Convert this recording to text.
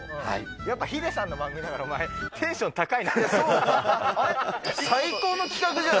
やっぱヒデさんの番組だから、お前、テンション高いな。